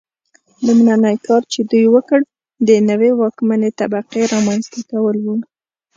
لومړنی کار چې دوی وکړ د نوې واکمنې طبقې رامنځته کول و.